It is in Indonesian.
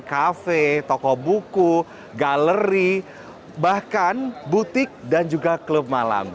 kafe toko buku galeri bahkan butik dan juga klub malam